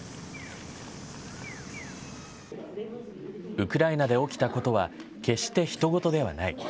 ウクライナで起きたことは決してひと事ではない。